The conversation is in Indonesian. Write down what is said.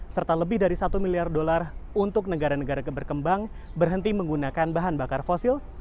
serta lebih dari satu miliar dolar untuk negara negara berkembang berhenti menggunakan bahan bakar fosil